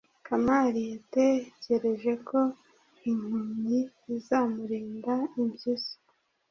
kamali yatekereje ko impumyi izamurinda impyisi